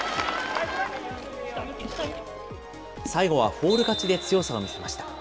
最後はフォール勝ちで強さを見せました。